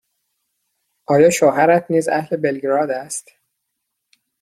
آیا شوهرت نیز اهل بلگراد است؟